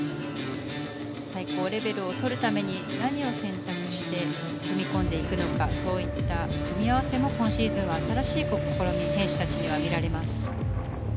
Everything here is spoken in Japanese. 最高レベルをとるために何を選択して踏み込んでいくのかそういった組み合わせも今シーズンは新しい試みも選手たちに見られます。